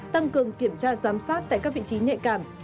tăng cường kiểm tra giám sát tại các vị trí nhạy cảm